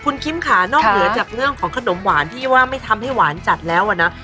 คุณคิมค่ะนอกเหนือจากเรื่องของขนมหวานที่ว่าไม่ทำให้หวานจัดแล้วอะนะ